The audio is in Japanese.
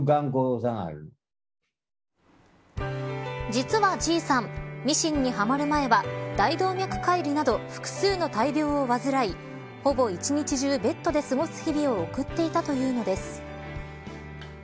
実はＧ３ミシンにはまる前は大動脈解離など複数の大病を患い、ほぼ一日中ベッドで過ごす日々を送っていたというのです。